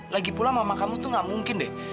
lagipula mama kamu tuh gak mungkin deh